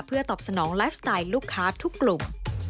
เพื่อตอบสนองไลฟ์สไตล์ลูกค้าทุกกลุ่ม